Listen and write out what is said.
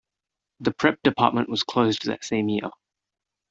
The prep department was closed that same year.